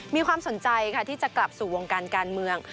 มีความสนใจค่ะที่จะกลับสู่วงการการเมือง